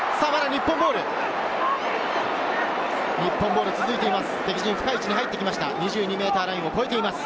日本ボールが続いています。